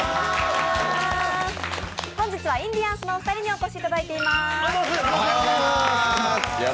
本日はインディアンスのお二人にお越しいただいています。